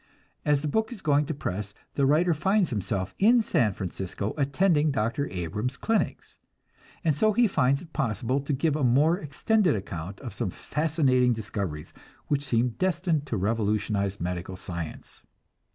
As the book is going to press, the writer finds himself in San Francisco, attending Dr. Abrams' clinics; and so he finds it possible to give a more extended account of some fascinating discoveries, which seem destined to revolutionize medical science.